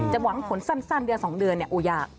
หวังผลสั้นเดือน๒เดือนเนี่ยโอ้ยาก